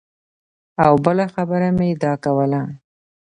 او بله خبره مې دا کوله